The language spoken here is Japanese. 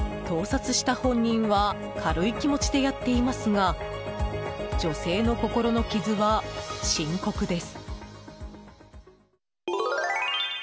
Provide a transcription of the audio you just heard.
盗撮した本人は軽い気持ちでやっていますが女性の心の傷は深刻です。